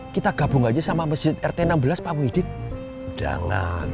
kita gabung aja sama masjid rt enam belas pak widik jangan